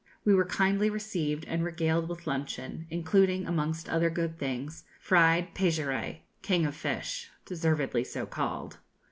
We were kindly received and regaled with luncheon, including, amongst other good things, fried pejerey (king of fish), deservedly so called.